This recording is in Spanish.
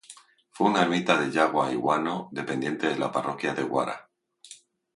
Fue una ermita de yagua y guano dependiente de la parroquia de Guara.